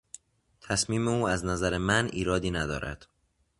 تصمیم او از نظر من ایرادی ندارد.